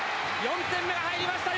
４点目が入りました。